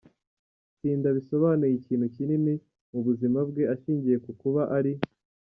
tsinda bisobanuye ikintu kinini mu buzima bwe, ashingiye ku kuba ari